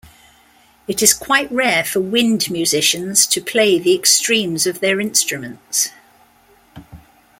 It is quite rare for wind musicians to play the extremes of their instruments.